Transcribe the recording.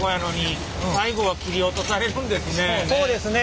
そうですね。